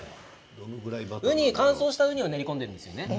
乾燥したウニを練り込んでるんですよね。